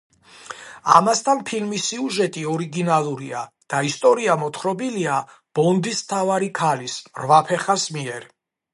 ამასთან, ფილმის სიუჟეტი ორიგინალურია და ისტორია მოთხრობილია ბონდის მთავარი ქალის, რვაფეხას მიერ.